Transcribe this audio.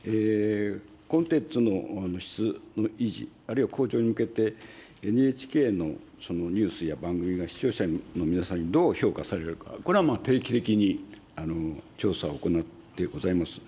コンテンツの質の維持、あるいは向上に向けて、ＮＨＫのニュースや番組が、視聴者の皆さんにどう評価されるか、これは定期的に調査を行ってございます。